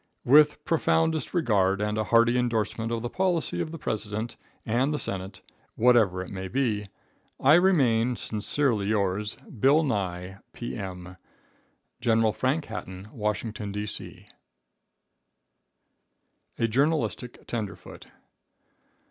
With profoundest regard, and a hearty endorsement of the policy of the President and the Senate, whatever it may be, I remain, sincerely yours, Bill Nye, P.M. Gen. Frank Hatton, Washington, D.C. A Journalistic Tenderfoot.